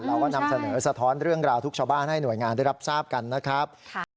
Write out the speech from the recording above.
เราก็นำเสนอสะท้อนเรื่องราวทุกชาวบ้านให้หน่วยงานได้รับทราบกันนะครับ